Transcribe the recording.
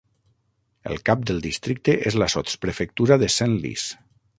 El cap del districte és la sotsprefectura de Senlis.